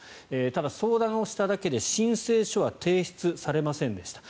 ただ、相談をしただけで申請書は提出されませんでした。